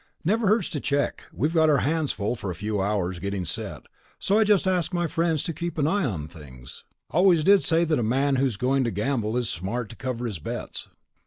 "Never hurts to check. We've got our hands full for a few hours getting set, so I just asked my friends to keep an eye on things. Always did say that a man who's going to gamble is smart to cover his bets."